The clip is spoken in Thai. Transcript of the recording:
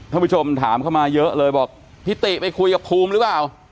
ผู้ชมถามเข้ามาเยอะเลยบอกพี่ติไปคุยกับภูมิหรือเปล่า